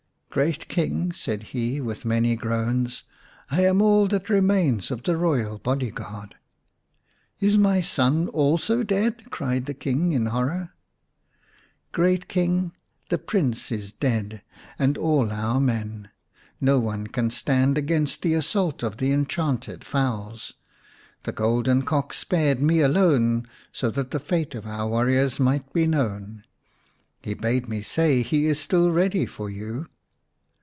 " Great King," said he with many groans, " I am all that remains of the royal body guard." " Is my son also dead ?" cried the King in horror. " Great King, the Prince is dead and all our men ; no one can stand against the assault of the enchanted fowls. The golden Cock spared me alone so that the fate of our warriors might be known. He bade me say he is still ready for you."